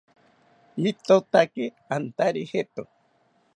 Ritotaki antari jeto